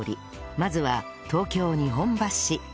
まずは東京日本橋